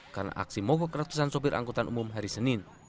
karena aksi mogok ratusan sopir angkutan umum hari senin